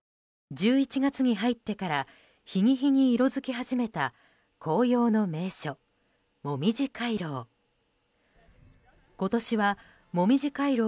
１１月に入ってから日に日に色づき始めた紅葉の名所、もみじ回廊。